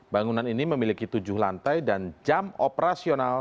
bangunan ini memiliki tujuh lantai dan jam operasional